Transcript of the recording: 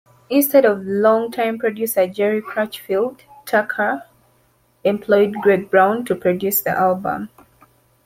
Instead of longtime producer Jerry Crutchfield, Tucker employed Gregg Brown to produce the album.